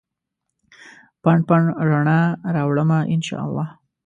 پنډ ، پنډ رڼا راوړمه ا ن شا الله